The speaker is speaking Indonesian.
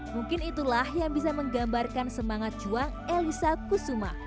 mungkin itulah yang bisa menggambarkan semangat juang elisa kusuma